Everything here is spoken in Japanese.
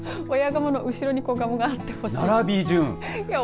親がもの後ろに小がもがあってほしい。